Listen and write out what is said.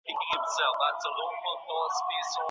د هرات خټکي بې خونده نه دي.